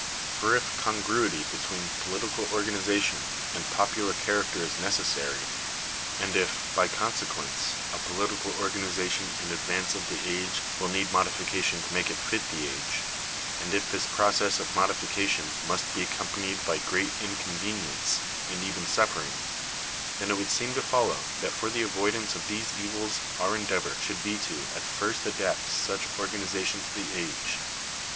For if oongruity between political organization and popular character is necessary ; and if, by consequence, a political organization in advance of the age will need modification to make it fit the age ; and if this process of modification must be accompanied by great inconvenience, and even suffering ; then it would seem Digitized by VjOOQIC conclusion. 469 to follow that for the avoidance of these evils our endeavour should be to at first adapt such organization to the age.